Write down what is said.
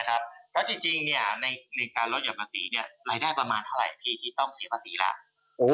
เพราะจริงในการลดหย่อนภาษีรายได้ประมาณเท่าไหร่พี่ที่ต้องเสียภาษีแล้ว